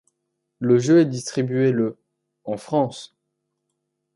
Le jeu est distribué le en France.